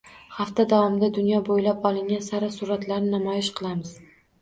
Hafta davomida dunyo bo‘ylab olingan sara suratlarni namoyish qilamiz